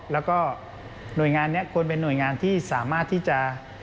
แล้วก็หน่วยงานนี้ควรเป็นหน่วยงานที่สามารถที่จะ